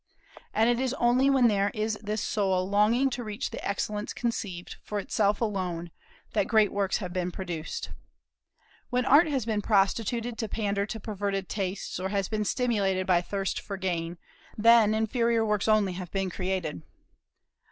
And it is only when there is this soul longing to reach the excellence conceived, for itself alone, that great works have been produced. When Art has been prostituted to pander to perverted tastes, or has been stimulated by thirst for gain, then inferior works only have been created.